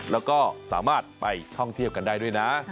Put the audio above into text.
แล้วก็สามารถไปท่องเที่ยวกันได้ด้วยนะ